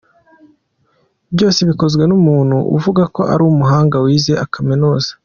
Byose bikozwe n’umuntu uvuga ko ari umuhanga wize akaminuza.